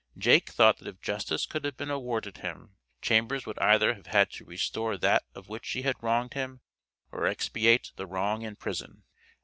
Jake thought that if justice could have been awarded him, Chambers would either have had to restore that of which he had wronged him, or expiate the wrong in prison.